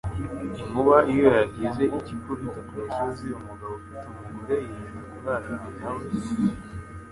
Inkuba iyo yagize icyo ikubita ku musozi umugabo ufite umugore yirinda kurarana nawe,